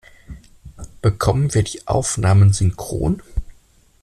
Bekommen wir die Aufnahmen synchron?